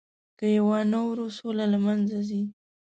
که یې ونه اورو، سوله له منځه ځي.